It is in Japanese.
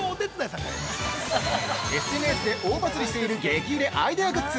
◆ＳＮＳで大バズリしている激売れアイデアグッズ